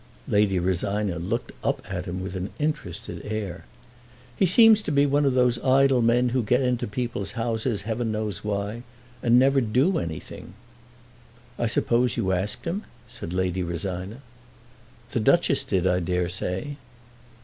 Lady Rosina looked up at him with an interested air. "He seems to be one of those idle men who get into people's houses heaven knows why, and never do anything." "I suppose you asked him?" said Lady Rosina. "The Duchess did, I dare say."